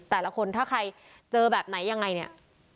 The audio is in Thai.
แต่ละคนถ้าใครเจอแบบไหนยังไงเนี่ย